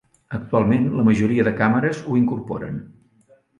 Actualment, la majoria de càmeres ho incorporen.